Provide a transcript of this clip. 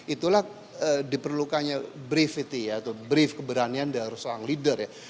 itulah diperlukannya brifity atau brief keberanian dari seorang leader ya